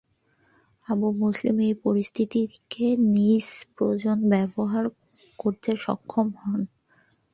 Abu Muslim এই পরিস্থিতিকে নিজ প্রয়োজনে ব্যবহার করতে সক্ষম হন।